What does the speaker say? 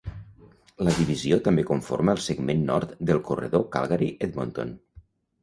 La divisió també conforma el segment nord del corredor Calgary-Edmonton.